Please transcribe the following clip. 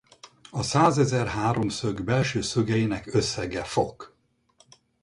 A százezer háromszög belső szögeinek összege fok.